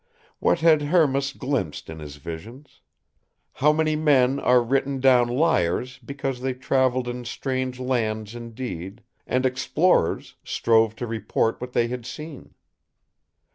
What had Hermas glimpsed in his visions? How many men are written down liars because they traveled in strange lands indeed, and explorers, strove to report what they had seen?